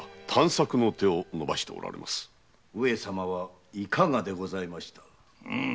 上様はいかがでございましたか？